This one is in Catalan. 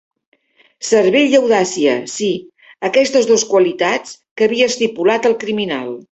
Cervell i audàcia... sí, aquestes dos qualitats que havia estipulat al criminal.